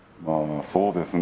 そうですね。